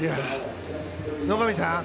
野上さん。